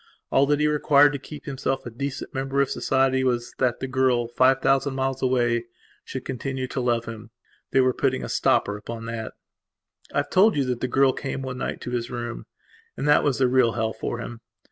All that he required to keep himself a decent member of society was, that the girl, five thousand miles away, should continue to love him. They were putting a stopper upon that. I have told you that the girl came one night to his room. And that was the real hell for him.